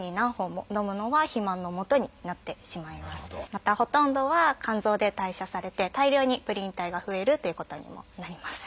またほとんどは肝臓で代謝されて大量にプリン体が増えるっていうことにもなります。